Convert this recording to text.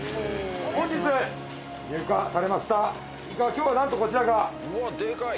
今日はなんとこちらがコウイカ。